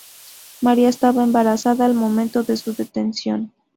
María estaba embarazada al momento de su detención.